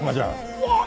うわっ！